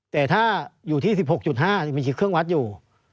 แต่ถ้าอยู่ที่๑๖๕มีเครื่องวัดอยู่